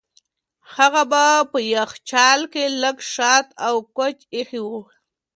هغه په یخچال کې لږ شات او کوچ ایښي وو.